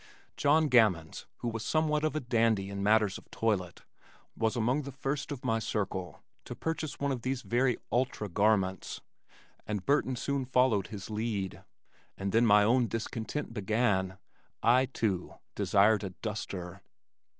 John Gammons, who was somewhat of a dandy in matters of toilet, was among the first of my circle to purchase one of these very ultra garments, and Burton soon followed his lead, and then my own discontent began. I, too, desired a duster.